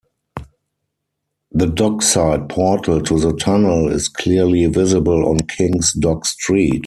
The dockside portal to the tunnel is clearly visible on Kings Dock Street.